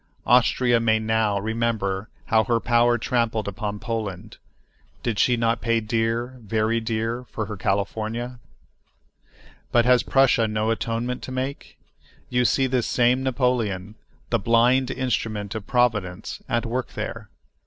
Austria may now remember how her power trampled upon Poland. Did she not pay dear, very dear, for her California? But has Prussia no atonement to make? You see this same Napoleon, the blind instrument of providence, at work there.